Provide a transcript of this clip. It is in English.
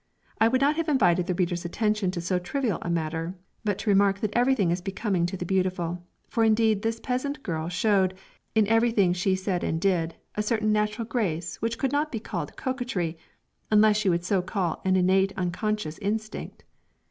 I would not have invited the reader's attention to so trivial a matter, but to remark that everything is becoming to the beautiful; for indeed this peasant girl showed, in everything she said and did, a certain natural grace which could not be called coquetry unless you will so call an innate unconscious instinct.